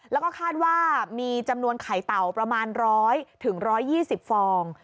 แล้วก็คาดว่ามีจำนวนไข่เต่าประมาณ๑๐๐๑๒๐ฟอง